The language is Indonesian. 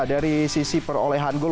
dari sisi perolehan gol